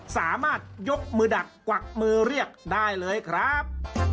สามารถยกมือดักกวักมือเรียกได้เลยครับ